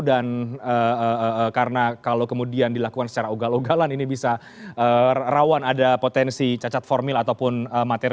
dan karena kalau kemudian dilakukan secara ugal ugalan ini bisa rawan ada potensi cacat formil ataupun materi